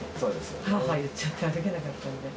はあはあいっちゃって、歩けなかったんで。